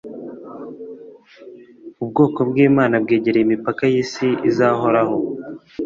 Ubwoko bwImana bwegereye imipaka yisi izahoraho